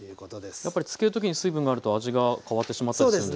やっぱり漬ける時に水分があると味が変わってしまったりするんですか？